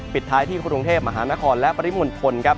ปิดท้ายที่กรุงเทพมหานครและปริมณฑลครับ